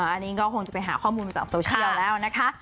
อันนี้ก็คงจะไปหาข้อมูลจากโซเชียลแล้วนะคะ